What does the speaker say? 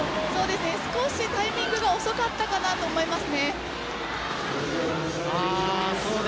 少しタイミングが遅かったかなと思います。